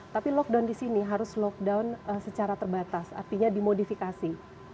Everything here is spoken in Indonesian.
tapi lockdown di sini harus lockdown secara terbatas artinya dimodifikasi